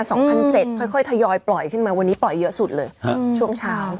สองพันเจ็ดค่อยค่อยทยอยปล่อยขึ้นมาวันนี้ปล่อยเยอะสุดเลยฮะช่วงเช้า